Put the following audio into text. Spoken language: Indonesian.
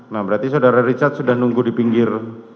nah berarti saudara richard sudah nunggu di pinggir